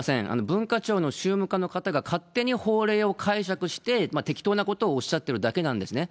文化庁の宗務課の方が勝手に法令を解釈して、適当なことをおっしゃってるだけなんですね。